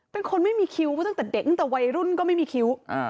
เป็นคนไม่มีคิ้วตั้งแต่เด็กตั้งแต่วัยรุ่นก็ไม่มีคิ้ว